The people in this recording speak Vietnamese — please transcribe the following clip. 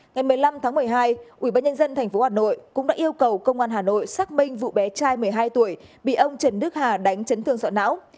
ngày một mươi năm tháng một mươi hai ubnd tp hà nội cũng đã yêu cầu công an hà nội xác minh vụ bé trai một mươi hai tuổi bị ông trần đức hà đánh chấn thương sọ não